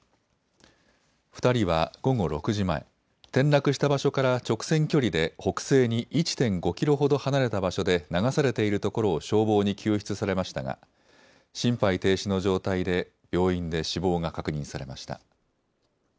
２人は午後６時前、転落した場所から直線距離で北西に１．５キロほど離れた場所で流されているところを消防に救出されましたが、心肺停止の状態で病院で死亡が確認されました。